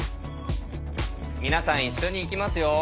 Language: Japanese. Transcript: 皆さん一緒にいきますよ。